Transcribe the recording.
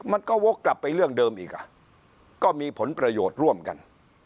มันก็วกกลับไปเรื่องเดิมอีกอ่ะก็มีผลประโยชน์ร่วมกัน